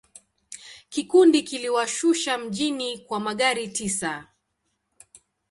Kikundi kiliwashusha mjini kwa magari tisa.